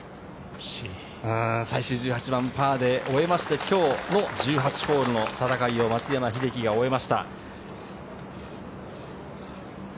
最終１８番、パーで終えまして今日の１８ホールの戦いを松山英樹が終えました。